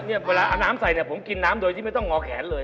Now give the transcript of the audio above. เวลาน้ำใส่ผมกินน้ำไม่ต้องออกแขนเลย